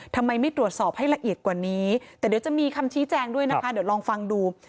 ทำไมไม่ตรวจสอบให้ละเอียดกว่านี้แต่เดี๋ยวจะมีคำชี้แจงด้วยนะคะเดี๋ยวลองฟังดู